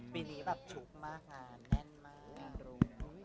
ปีนี้แบบฉุกมาหาแน่นมาก